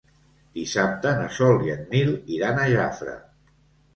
Dissabte na Sol i en Nil iran a Jafre.